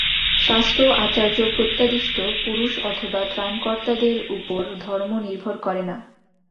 শাস্ত্র, আচার্য, প্রত্যাদিষ্ট পুরুষ অথবা ত্রাণকর্তাদের উপর ধর্ম নির্ভর করে না।